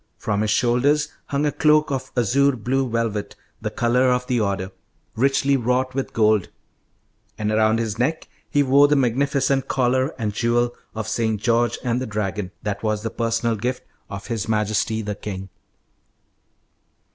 From his shoulder hung a cloak of azure blue velvet, the colour of the order, richly wrought with gold; and around his neck he wore the magnificent collar and jewel of St. George and the Dragon, that was the personal gift of his Majesty, the king.'